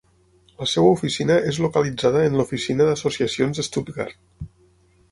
La seva oficina és localitzada en l'oficina d'associacions de Stuttgart.